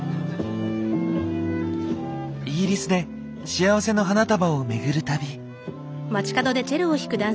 イギリスで幸せの花束をめぐる旅。